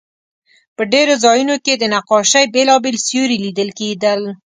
په ډېرو ځایونو کې د نقاشۍ بېلابېل سیوري لیدل کېدل.